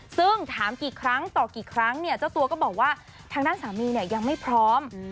ซึ่งถามกี่ครั้งต่อกี่ครั้งเนี่ยเจ้าตัวก็บอกว่าทางด้านสามีเนี่ยยังไม่พร้อม